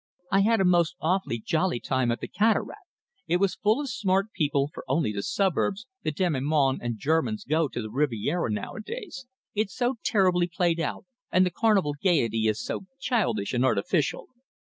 "I had a most awfully jolly time at the Cataract. It was full of smart people, for only the suburbs, the demi monde, and Germans go to the Riviera nowadays. It's so terribly played out, and the Carnival gaiety is so childish and artificial."